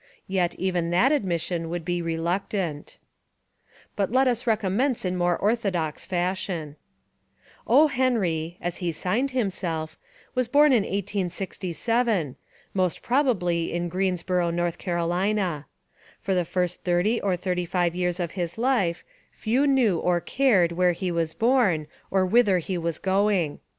Yet even that admission would be reluctant. But let us recommence in more orthodox fashion. O. Henry, — as he signed himself, — was born In 1867, most probably at Greensboro, North 237 Essays and Literary Studies Carolina. For the first thirty or thirty five years of his life, few knew or cared where he was born, or whither he was going.